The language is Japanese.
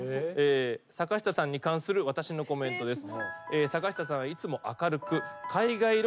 「坂下さんに関する私のコメントです」